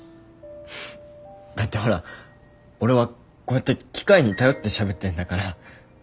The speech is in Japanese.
だってほら俺はこうやって機械に頼ってしゃべってんだから。